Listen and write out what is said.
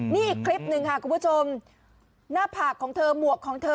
นี่อีกคลิปหนึ่งค่ะคุณผู้ชมหน้าผากของเธอหมวกของเธอ